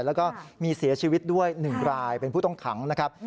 แล้วก็มีเสียชีวิตด้วย๑รายเป็นผู้ต้องขังนะครับ